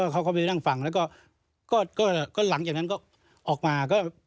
เขาก็ไปนั่งฟังแล้วก็หลังจากนั้นก็ออกมาก็